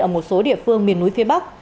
ở một số địa phương miền núi phía bắc